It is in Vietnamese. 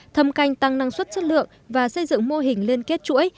thâm canh tăng năng suất chất lượng và xây dựng mô hình liên kết chuỗi